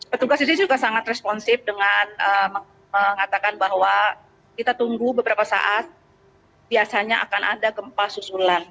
petugas di sini juga sangat responsif dengan mengatakan bahwa kita tunggu beberapa saat biasanya akan ada gempa susulan